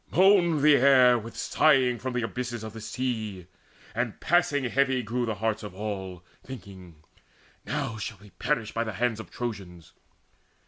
Moaned the air With sighing from the abysses of the sea; And passing heavy grew the hearts of all, Thinking: "Now shall we perish by the hands Of Trojans!"